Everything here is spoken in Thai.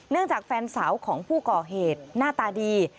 เนื่องจากแฟนสาวของผู้ก่อเหตุน่าตาดี